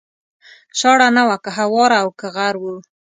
شاړه نه وه که هواره او که غر و